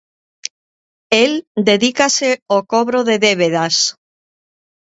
El dedícase ao cobro de débedas.